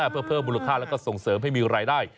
เพื่อเพิ่มมูลค่าแล้วก็ส่งเสริมให้มีรายได้